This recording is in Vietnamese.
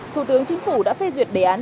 thủ tướng chính phủ đã phê duyệt đề án